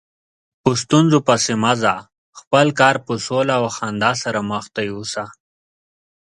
په ستونزو پسې مه ځه، خپل کار په سوله او خندا سره مخته یوسه.